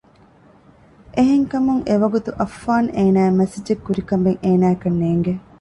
އެހެންކަމުން އެ ވަގުތު އައްފާން އޭނާއަށް މެސެޖެއް ކުރިކަމެއް އޭނާއަކަށް ނޭނގެ